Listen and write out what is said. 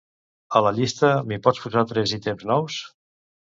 A la llista m'hi pots posar tres ítems nous?